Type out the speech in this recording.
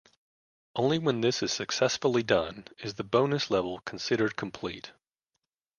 Only when this is successfully done is the bonus level considered complete.